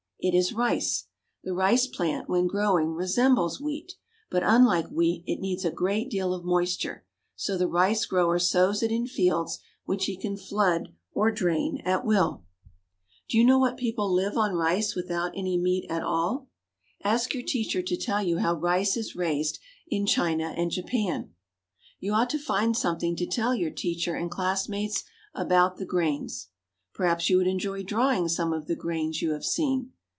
It is rice. The rice plant, when growing, resembles wheat; but, unlike wheat, it needs a great deal of moisture. So the rice grower sows it in fields which he can flood or drain at will. Do you know what people live on rice without any meat at all? Ask your teacher to tell you how rice is raised in China and Japan. You ought to find something to tell your teacher and classmates about the grains. Perhaps you would enjoy drawing some of the grains you have seen.